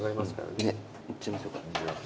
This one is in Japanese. ねっいっちゃいましょうか。